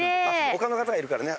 他の方がいるからね